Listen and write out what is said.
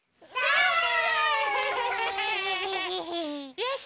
よし！